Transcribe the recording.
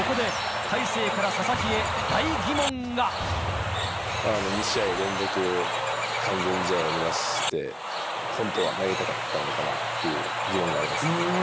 ここで２試合連続完全試合を目指してホントは投げたかったのかなっていうギモンがあります。